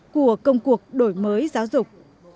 của công cuộc đổi mới giáo dục